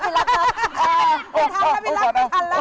ไม่ทำครับพี่รักไม่ทันแล้ว